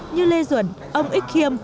như lê duẩn ông ích khiêm